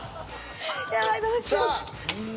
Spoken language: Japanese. ヤバいどうしよう。